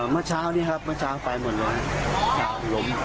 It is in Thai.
เมื่อเช้านี้ครับเมื่อเช้าไปหมดเลยครับล้ม